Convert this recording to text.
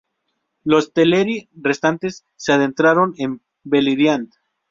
Los teleri restantes se adentraron en Beleriand.